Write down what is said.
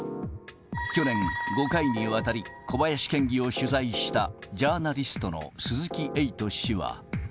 去年、５回にわたり小林県議を取材したジャーナリストの鈴木エイト氏は。